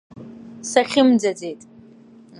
Сахьымӡаӡеит.